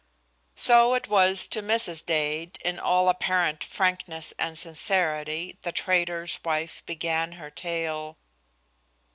So it was to Mrs. Dade, in all apparent frankness and sincerity, the trader's wife began her tale.